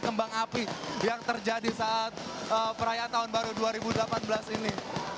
kembang api yang terjadi saat perayaan tahun baru dua ribu delapan belas ini